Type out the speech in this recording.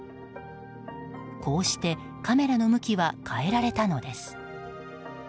こうして、カメラの向きは変えられたのです。